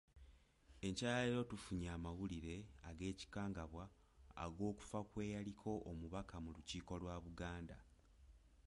Enkya ya leero tufunye amawulire ag’ekikangabwa ag’okufa kwe yaliko omubaka mu Lukiiko lwa Buganda.